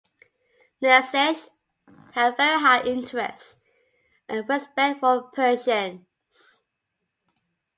Nietzsche held very high interest and respect for Persians.